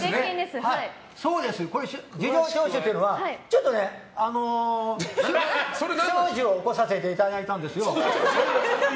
そうです、事情聴取というのはちょっとね、不祥事を起こさせていただいたんです。